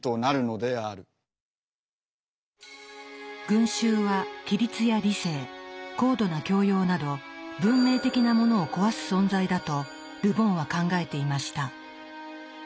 群衆は規律や理性高度な教養など文明的なものを壊す存在だとル・ボンは考えていました。